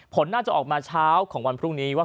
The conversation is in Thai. ผลน่าจะออกมาเช้าของวันพรุ่งนี้ว่า